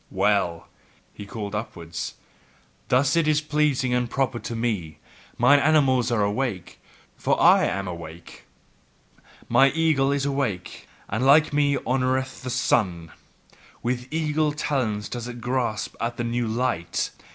"Well!" called he upwards, "thus is it pleasing and proper to me. Mine animals are awake, for I am awake. Mine eagle is awake, and like me honoureth the sun. With eagle talons doth it grasp at the new light.